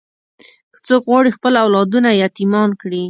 که څوک غواړي خپل اولادونه یتیمان کړي.